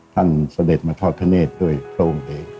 ท่านเสด็จมาทอดทะเนษฐ์ด้วยโครงเดง